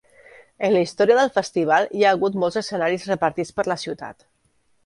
En la història del festival hi ha hagut molts escenaris repartits per la ciutat.